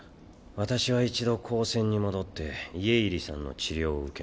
私は一度高専に戻って家入さんの治療を受けます。